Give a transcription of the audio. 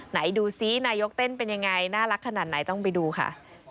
ไหนดูซินายกเต้นเป็นยังไงน่ารักขนาดไหนต้องไปดูค่ะ